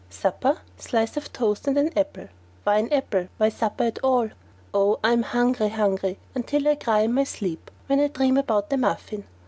"Supper slice of toast and an apple." Why the apple? Why supper at all? Oh, I'm hungry, hungry until I cry in my sleep when I dream about a muffin!